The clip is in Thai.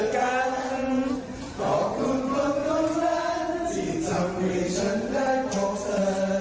คนต้องรันที่ทำให้ฉันได้โชคเธอ